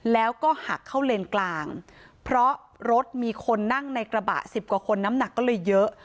แล้วก็หักเข้าเลนกลางเพราะรถมีคนนั่งในกระบะสิบกว่าคนน้ำหนักก็เลยเยอะ